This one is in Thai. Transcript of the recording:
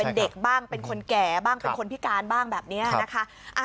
เป็นเด็กบ้างเป็นคนแก่บ้างเป็นคนพิการบ้างแบบนี้นะคะ